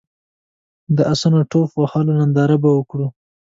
د اسونو ټوپ وهلو ننداره به وکړو.